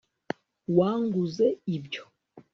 wanguze ibyo